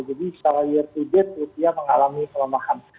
jadi setelah year dua date rupiah mengalami kelemahan